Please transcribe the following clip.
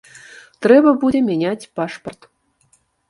Трэба будзе мяняць пашпарт.